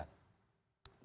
di pemerintah kan selalu kan